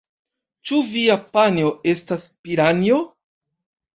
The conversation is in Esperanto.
Ĉu via panjo estas piranjo?